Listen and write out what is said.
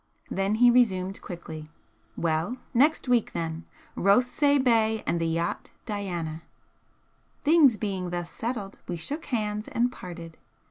Then he resumed quickly: "Well, next week, then. Rothesay bay, and the yacht 'Diana.'" Things being thus settled, we shook hands and parted.